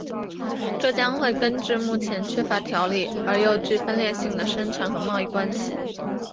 这将会根治目前缺乏条理而又具分裂性的生产和贸易关系。